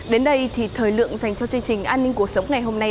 đến đây thì thời lượng dành cho chương trình an ninh cuộc sống ngày hôm nay